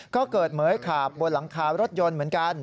ก็เกิดเหมือยขาบบนหลังคารถยนต์เหมือนกัน